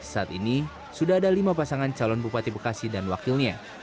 saat ini sudah ada lima pasangan calon bupati bekasi dan wakilnya